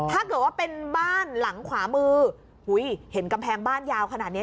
ถ้าเกิดว่าเป็นบ้านหลังขวามืออุ้ยเห็นกำแพงบ้านยาวขนาดเนี้ย